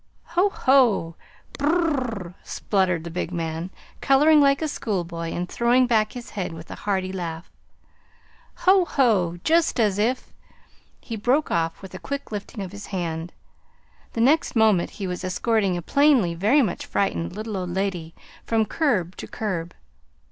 "Ho ho! Brrrr!" spluttered the big man, coloring like a schoolboy and throwing back his head with a hearty laugh. "Ho ho! Just as if " He broke off with a quick lifting of his hand. The next moment he was escorting a plainly very much frightened little old lady from curb to curb.